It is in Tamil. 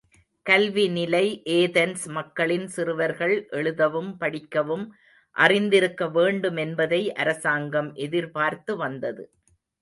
கல்வி நிலை ஏதென்ஸ் மக்களின் சிறுவர்கள் எழுதவும் படிக்கவும் அறிந்திருக்க வேண்டுமென்பதை அரசாங்கம் எதிர்பார்த்து வந்தது.